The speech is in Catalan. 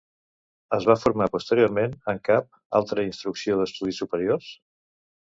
Es va formar posteriorment en cap altra institució d'estudis superiors?